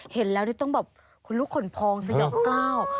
เห็นแล้วต้องแบบคุณลูกขนพองสังเกล้า